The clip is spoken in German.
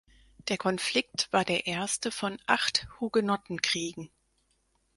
Der Konflikt war der erste von acht Hugenottenkriegen.